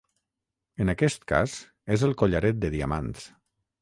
En aquest cas, és el collaret de diamants.